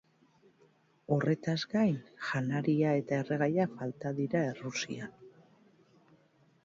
Horretaz gain, janaria eta erregaia falta ziren Errusian.